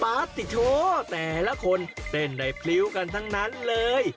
ติดโชว์แต่ละคนเต้นในพริ้วกันทั้งนั้นเลย